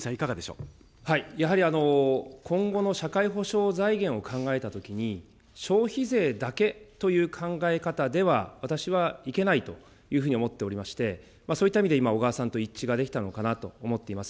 やはり今後の社会保障財源を考えたときに、消費税だけという考え方では、私はいけないというふうに思っておりまして、そういった意味で、今、小川さんと一致ができたのかなと思っています。